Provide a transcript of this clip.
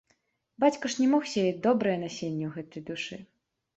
Бацька ж не мог сеяць добрае насенне ў гэтай душы.